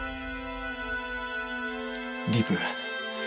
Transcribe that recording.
りく。